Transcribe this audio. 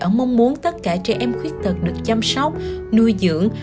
ông mong muốn tất cả trẻ em khuyết tật được chăm sóc nuôi dưỡng